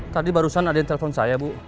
tadi barusan ada yang telepon saya bu